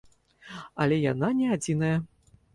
Але яна не адзіная.